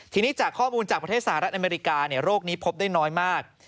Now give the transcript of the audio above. ทีนี้จากข้อมูลจากประเทศสหรัฐอเมริกาโรคนี้พบได้น้อยมาก